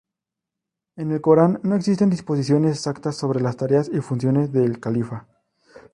En el Corán no existen disposiciones exactas sobre las tareas y funciones del califa.